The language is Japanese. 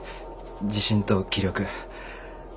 自信と気力。